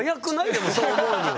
でもそう思うには。